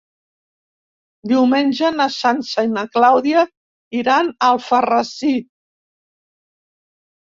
Diumenge na Sança i na Clàudia iran a Alfarrasí.